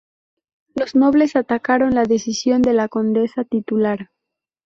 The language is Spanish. Los nobles acataron la decisión de la condesa titular.